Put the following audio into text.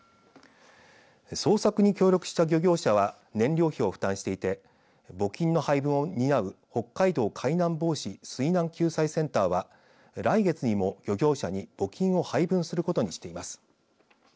捜索に協力した漁業者は燃料費を負担していて募金の配分を担う北海道海難防止・水難救済センターは来月にも漁業者に募金を配分することにしています。